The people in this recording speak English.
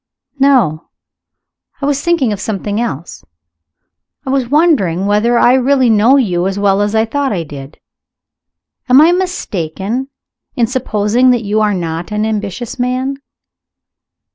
"No; I was thinking of something else. I was wondering whether I really know you as well as I thought I did. Am I mistaken in supposing that you are not an ambitious man?"